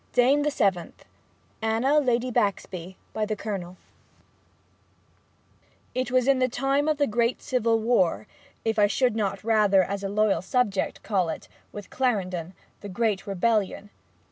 DAME THE SEVENTH ANNA, LADY BAXBY By the Colonel It was in the time of the great Civil War if I should not rather, as a loyal subject, call it, with Clarendon, the Great Rebellion.